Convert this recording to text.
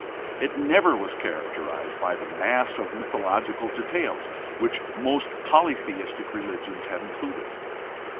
It never was characterized by the mass of mythological details which most polytheistic religions have included.